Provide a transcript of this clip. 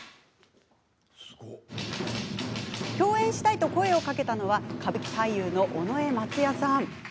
共演したいと声をかけたのは歌舞伎俳優の尾上松也さん。